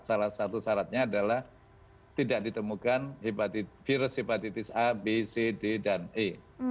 salah satu syaratnya adalah tidak ditemukan virus hepatitis a b c d dan e